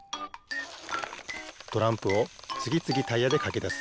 トランプをつぎつぎタイヤでかきだす